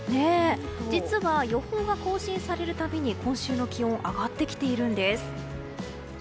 実は、予報が更新されるたびに今週の気温上がってきているんです。